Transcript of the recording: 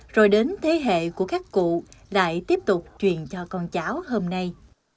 rồi đến thế hệ của các cụ lại tiếp tục truyền cho con cháu hôm nay